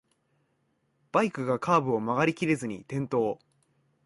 バイクがカーブを曲がりきれずに転倒